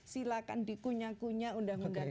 silakan dikunyah kunyah undang undang